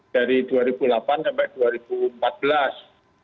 dari dua ribu delapan sampai dua ribu empat belas